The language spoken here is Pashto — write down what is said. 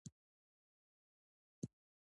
ما او تا به دواړه ولاړ سو